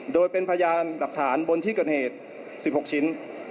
โดยเป็นพยานหลักฐานบนที่เกิดเหตุ๑๖ชิ้น